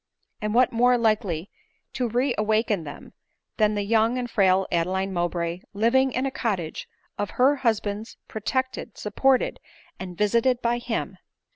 And what more likely to re awaken them than the young and frail Adeline Mowbray living in a cottage of her husband's, protected, supported, and visited by him